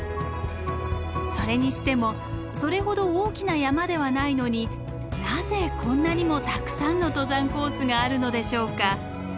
それにしてもそれほど大きな山ではないのになぜこんなにもたくさんの登山コースがあるのでしょうか？